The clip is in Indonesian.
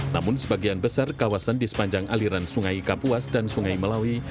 namun sebagian besar kawasan di sepanjang aliran sungai kapuas dan sungai melawi